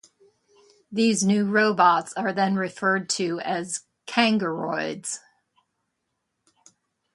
These new robots are then referred to as 'kangoroids'.